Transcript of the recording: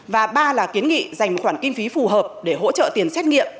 và ba là kiến nghị dành khoản kinh phí phù hợp để hỗ trợ tiền xét nghiệm